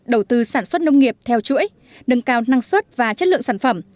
đầu tư sản xuất nông nghiệp theo chuỗi nâng cao năng suất và chất lượng sản phẩm